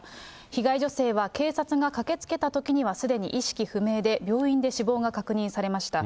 被害女性は警察が駆けつけたときにはすでに意識不明で、病院で死亡が確認されました。